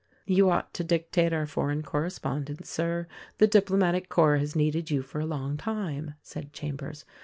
"You ought to dictate our foreign correspondence, Sir. The diplomatic corps has needed you for a long time," said Chambers.